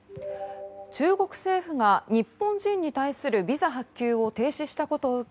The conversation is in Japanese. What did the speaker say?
中国政府が日本人に対するビザ発給を停止したことを受け